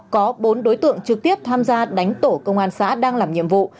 có bốn đối tượng trực tiếp tham gia đánh tổ công an xã đang làm nhiệm vụ